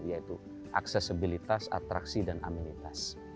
yaitu aksesibilitas atraksi dan aminitas